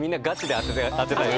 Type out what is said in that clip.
当てたい！